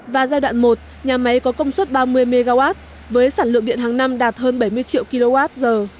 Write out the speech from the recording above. và giai đoạn một nhà máy có công suất ba mươi mw với sản lượng điện hàng năm đạt hơn bảy mươi triệu kwh